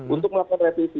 untuk melakukan resisi